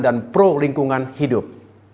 dan pro lingkungan hidup